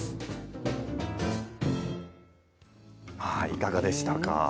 いかがでしたか？